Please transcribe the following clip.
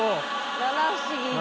七不思議１。